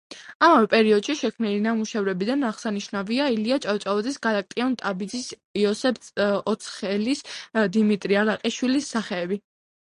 ამავე პერიოდში შექმნილი ნამუშევრებიდან აღსანიშნავია ილია ჭავჭავაძის, გალაკტიონ ტაბიძის, იოსებ ოცხელის, დიმიტრი არაყიშვილის სახეები.